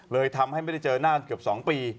เลยทำให้ไม่ได้เจอหน้าเกือบ๒ปี